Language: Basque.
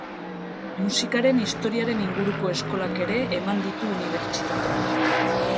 Musikaren Historiaren inguruko eskolak ere eman ditu unibertsitatean.